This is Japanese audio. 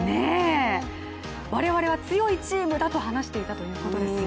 我々は強いチームだと話していたということですよ。